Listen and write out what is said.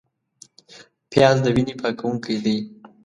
پیاز د وینې پاکوونکی دی